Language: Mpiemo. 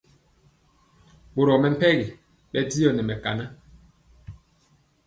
Boro mɛmpegi bɛndiɔ nɛ mɛkanan.